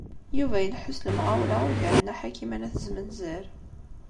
Yuba ileḥḥu s lemɣawla ugar n Nna Ḥakima n At Zmenzer.